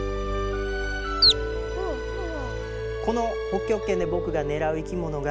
この北極圏で僕が狙う生き物が。